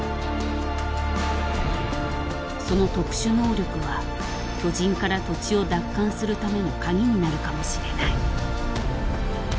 その特殊能力は巨人から土地を奪還するための鍵になるかもしれない。